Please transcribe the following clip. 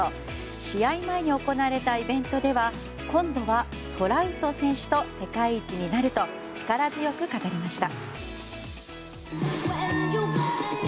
試合前に行われたイベントでは今度はトラウト選手と世界一になると力強く語りました。